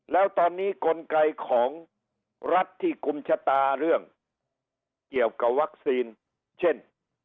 แล้วตอนนี้กลไกของรัฐที่คุมชะตาเรื่องเกี่ยวกับวัคซีนเช่น